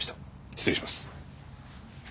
失礼します。